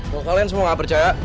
bahwa kalian semua gak percaya